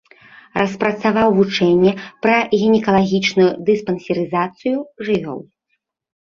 Распрацаваў вучэнне пра гінекалагічную дыспансерызацыю жывёл.